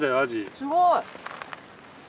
すごい！